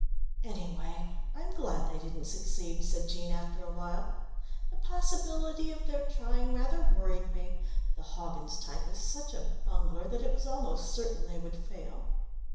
"Anyway I'm glad they didn't succeed," said Jean after a while. "The possibility of their trying rather worried me. The Hoggins type is such a bungler that it was almost certain they would fail."